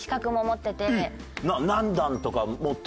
何段とか持ってるの？